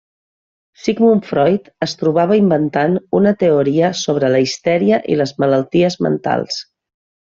Sigmund Freud es trobava inventant una teoria sobre la histèria i les malalties mentals.